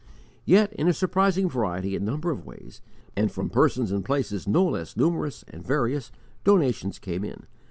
Yet in a surprising variety and number of ways, and from persons and places no less numerous and various, donations came in.